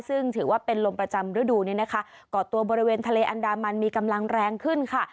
ซึ่งถือว่าเป็นลมประจำฤดูเนี่ยนะคะก่อตัวบริเวณทะเลอันดามันมีกำลังแรงขึ้นค่ะ